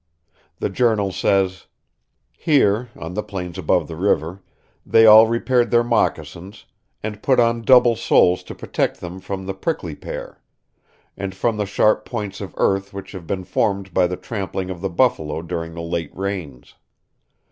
The journal says: "Here [on the plains above the river] they all repaired their moccasins, and put on double soles to protect them from the prickly pear, and from the sharp points of earth which have been formed by the trampling of the buffalo during the late rains.